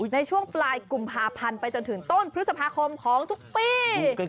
ในช่วงปลายกุมภาพันธ์ไปจนถึงต้นพฤษภาคมของทุกปี